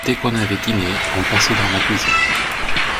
Dès qu’on avait dîné, on passait dans la cuisine.